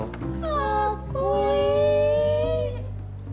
かっこいい！